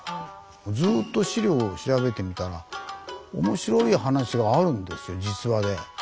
ずっと資料を調べてみたら面白い話があるんですよ実話で。